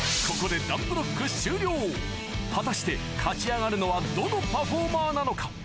ここで団ブロック終了果たして勝ち上がるのはどのパフォーマーなのか？